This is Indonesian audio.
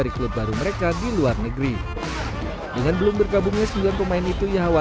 kita tidak bisa menyiapkan proyek negara kita